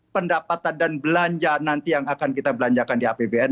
pendapatan dan belanja nanti yang akan kita belanjakan di apbn